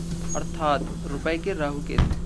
अर्थात्: रुपए के राहु-केतु